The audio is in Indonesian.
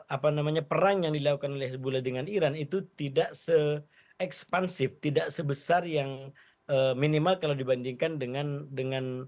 apa namanya perang yang dilakukan oleh bule dengan iran itu tidak se ekspansif tidak sebesar yang minimal kalau dibandingkan dengan